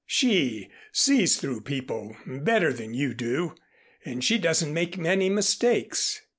She sees through people better than you do and she doesn't make many mistakes.